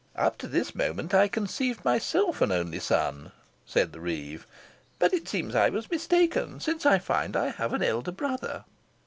"Up to this moment I conceived myself an only son," said the reeve; "but it seems I was mistaken, since I find I have an elder brother."